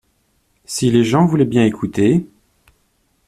Si les gens voulaient bien écouter.